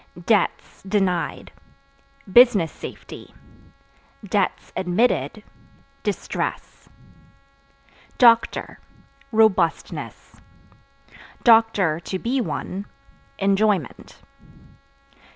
Debts (Denied) business safety; (admitted) distress. Doctor Robustness; (to be one) enjoyment.